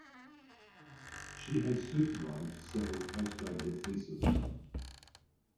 She has supervised several post graduate theses.